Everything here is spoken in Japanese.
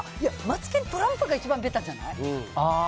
いや、マツケントランプが一番べたじゃない？